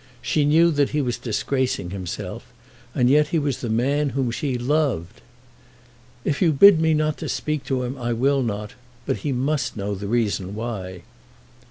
She knew that he was disgracing himself, and yet he was the man whom she loved! "If you bid me not to speak to him, I will not; but he must know the reason why."